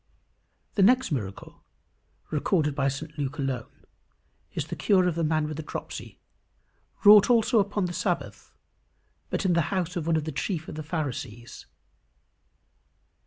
The next miracle recorded by St Luke alone is the cure of the man with the dropsy, wrought also upon the Sabbath, but in the house of one of the chief of the Pharisees.